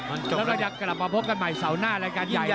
แล้วเราอยากกลับมาพบกันใหม่เสาหน้ารายการใหญ่เลยนะ